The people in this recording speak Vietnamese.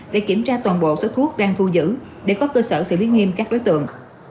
để kiểm tra toàn bộ số thuốc đang thu giữ để có cơ sở xử lý nghiêm các đối tượng